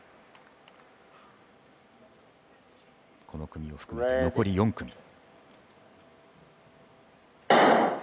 この組を含めて残り４組。